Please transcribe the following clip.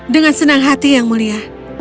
dengan senang hati yang mulia